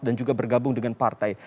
dan juga bergabung dengan partai